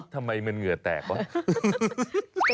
ทำไมเหมือนเหงื่อแตกว่ะ